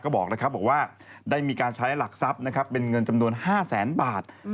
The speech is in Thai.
บอกว่าได้มีการใช้หลักทรัพย์เป็นเงินจำนวน๕แสนบาท